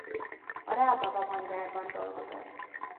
A Rába vagongyárban dolgozott.